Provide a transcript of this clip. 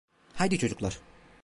Haydi çocuklar.